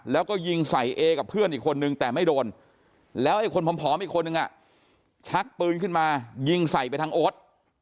แล้วก็ยิงใส่เอกับเพื่อนอีกคนนึงแต่ไม่โดนแล้วไอ้คนผอมอีกคนนึงชักปืนขึ้นมายิงใส่ไปทางโอ๊ต